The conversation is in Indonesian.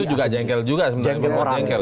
itu juga jengkel juga sebenarnya